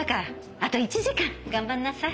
あと１時間頑張りなさい。